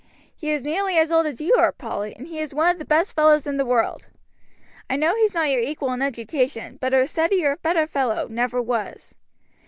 "He is nearly as old as you are, Polly, and he is one of the best fellows in the world. I know he's not your equal in education, but a steadier, better fellow, never was."